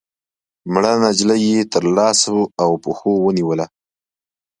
مړه نجلۍ يې تر لاسو او پښو ونيوله